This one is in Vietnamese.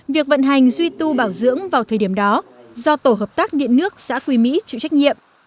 việc vận hành duy tu bảo dưỡng vào thời điểm đó do tổ hợp tác điện nước xã quy mỹ chịu trách nhiệm